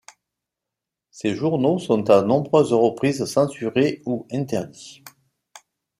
Ces journaux sont à nombreuses reprises censurés ou interdits.